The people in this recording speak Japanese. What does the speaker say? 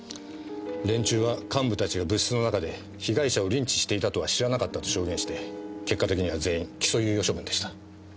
連中は幹部たちが部室の中で被害者をリンチしていたとは知らなかったと証言して結果的には全員起訴猶予処分でした。